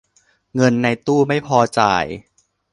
เงินในตู้ไม่พอจ่าย